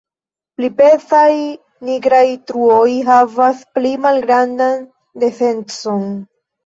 Pli pezaj nigraj truoj havas pli malgrandan densecon.